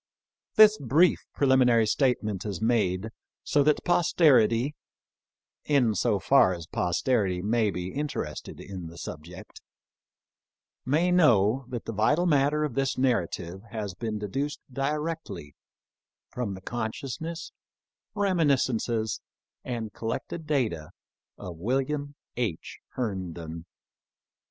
This brief preliminary statement is made so that posterity, in so far as posterity may be interested in the subject, may know that the vital matter of this narrative has been deduced directly from the con sciousness, reminiscences, and collected data of William H. Herndon.